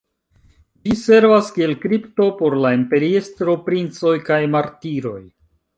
Ĝi servas kiel kripto por la imperiestro, princoj kaj martiroj.